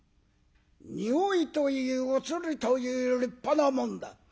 匂いといい映りといい立派なもんだ。